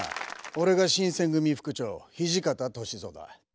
俺が新選組副長土方歳三だ。